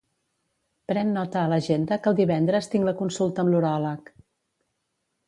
Pren nota a l'agenda que el divendres tinc la consulta amb l'uròleg.